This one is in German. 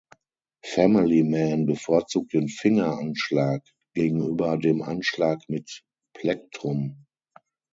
Family Man bevorzugt den Finger-Anschlag gegenüber dem Anschlag mit Plektrum.